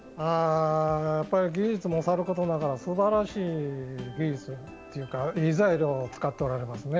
技術もさることながらすばらしい技術というかいい材料を使っておられますね。